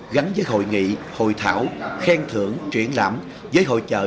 đăng ký kênh để ủng hộ kênh mình nhé